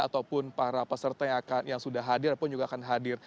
ataupun para peserta yang sudah hadir ataupun juga akan hadir